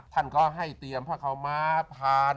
ท่านก็ให้เตรียมเพราะเขามาผ่าน